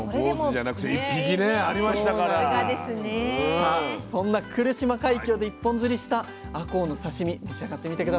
さあそんな来島海峡で一本釣りしたあこうの刺身召し上がってみて下さい。